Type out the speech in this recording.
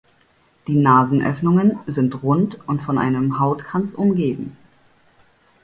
Die Nasenöffnungen sind rund und von einem Hautkranz umgeben.